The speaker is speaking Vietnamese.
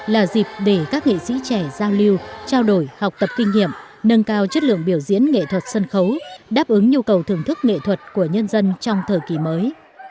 là dịp để các nghệ sĩ trẻ giao lưu trao đổi học tập kinh nghiệm nâng cao chất lượng biểu diễn nghệ thuật sân khấu đáp ứng nhu cầu thưởng thức nghệ thuật của nhân dân trong thời kỳ mới